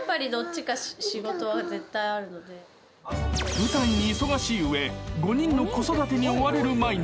［舞台に忙しい上５人の子育てに追われる毎日］